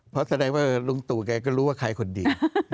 เพราะแสดงว่าลุงตู่แกก็รู้ว่าใครคนดี